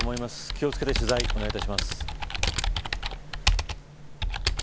気を付けて取材、お願いします。